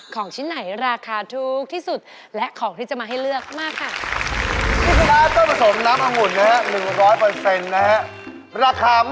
ของชิ้นไหนราคาถูกที่สุดและของที่จะมาให้เลือกมากค่ะ